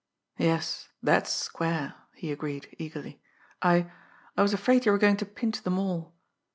"Yes, that's square," he agreed eagerly. "I I was afraid you were going to pinch them all.